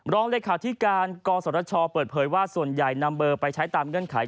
รองเลขาธิการกศชเปิดเผยว่าส่วนใหญ่นำเบอร์ไปใช้ตามเงื่อนไข